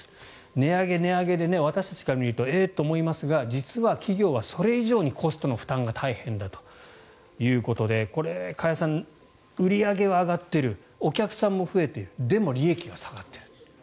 値上げ、値上げで私たちから見るとえ？と思いますが実は企業はそれ以上にコストの負担が大変だということでこれ、加谷さん売り上げは上がっているお客さんも増えているでも利益が下がっている。